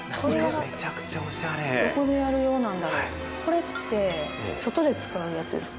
これって外で使うやつですか？